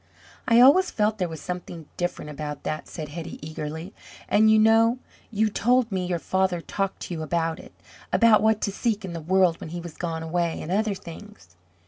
"I always felt there was something different about that," said Hetty eagerly, "and you know you told me your father talked to you about it about what to seek in the world when he was gone away, and other things."